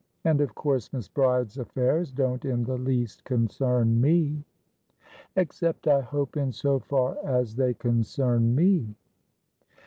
"And of course Miss Bride's affairs don't in the least concern me." "Except I hope in so far as they concern me."